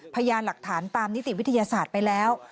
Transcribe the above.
พยานหลักฐานตามนิติวิทยาศาสตร์ไปแล้ว